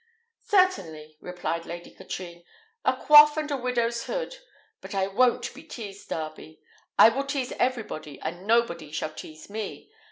"Certainly," replied Lady Katrine: "a coif and a widow's hood. But I won't be teased, Darby: I will tease everybody, and nobody shall tease me.